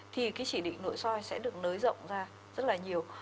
thì cái chỉ định nội soi sẽ được nới rộng ra rất là nhiều